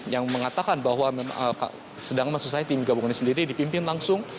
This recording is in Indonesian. yang mengatakan bahwa sedangkan tim gabungan ini sendiri dipimpin langsung